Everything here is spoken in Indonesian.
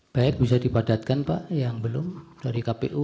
baik bisa dipadatkan pak yang belum dari kpu